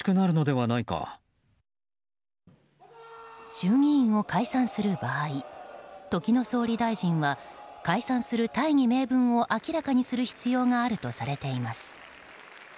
衆議院を解散する場合時の総理大臣は解散する大義名分を明らかにする必要があるとされています。